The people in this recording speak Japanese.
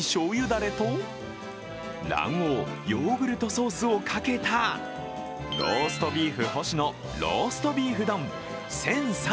だれと卵黄、ヨーグルトソースをかけた、ローストビーフ星のローストビーフ丼１０３４円。